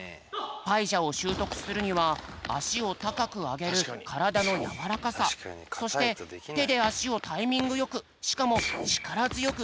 パイジャオをしゅうとくするにはあしをたかくあげるからだのやわらかさそしててであしをタイミングよくしかもちからづよく